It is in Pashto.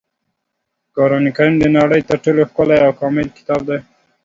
قرانکریم د نړۍ تر ټولو ښکلی او کامل کتاب دی.